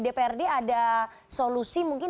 dprd ada solusi mungkin